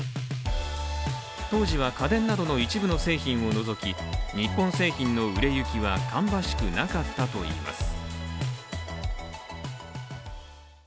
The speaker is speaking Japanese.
当時は家電などの一部の製品を除き日本製品の売れ行きは芳しくなかったといいます。